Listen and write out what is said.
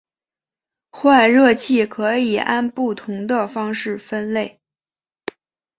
换热器可以按不同的方式分类。